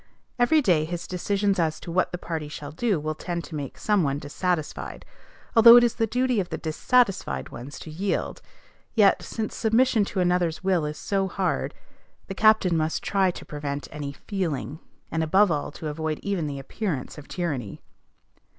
Every day his decisions as to what the party shall do will tend to make some one dissatisfied; and although it is the duty of the dissatisfied ones to yield, yet, since submission to another's will is so hard, the captain must try to prevent any "feeling," and above all to avoid even the appearance of tyranny.